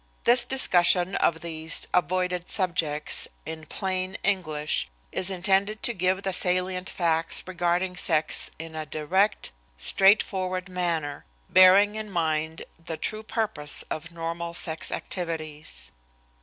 This discussion of these "Avoided Subjects," in "Plain English," is intended to give the salient facts regarding sex in a direct, straightforward manner, bearing in mind the true purpose of normal sex activities.